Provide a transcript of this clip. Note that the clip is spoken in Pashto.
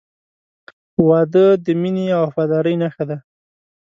• واده د مینې او وفادارۍ نښه ده.